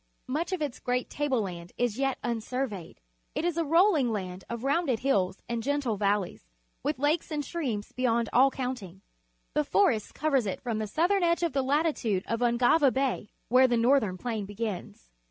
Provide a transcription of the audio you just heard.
IMuch of this great table land is yet un survej'ed. It is a rolling land of rounded hills and gentle valleys, with lakes and streams bej'ond all counting. The forest covers it from the southern edge to the lati tude of Ungava Bay, where the Northern Plain begins.